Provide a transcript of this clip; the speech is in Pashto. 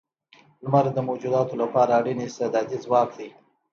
لمر د موجوداتو لپاره اړین استعدادی ځواک دی.